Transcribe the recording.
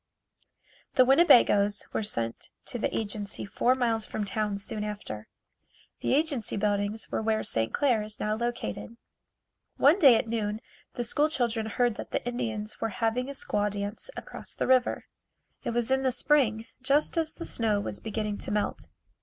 The Winnebagoes were sent to the agency four miles from town soon after. The agency buildings were where St. Clair is now located. One day at noon the school children heard that the Indians were having a squaw dance across the river. It was in the spring, just as the snow was beginning to melt.